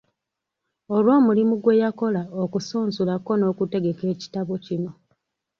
Olw’omulimu gwe yakola okusunsula ko n’okutegeka ekitabo kino.